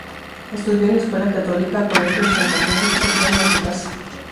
Estudió en la escuela católica Colegio Champagnat, cercana a su casa.